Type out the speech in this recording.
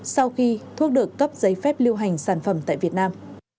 sau khi thuốc được cấp giấy phép lưu hành sản phẩm tại việt nam